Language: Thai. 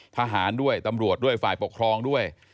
ทหารด้วยตำรวจด้วยฝ่ายปกครองด้วย